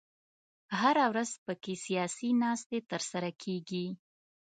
هره ورځ په کې سیاسي ناستې تر سره کېږي.